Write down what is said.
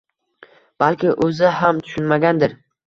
Balki o‘zi ham tushunmagandir.